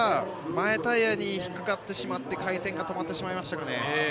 ちょっと足が前のタイヤに引っかかってしまって、回転が止まってしまいましたね。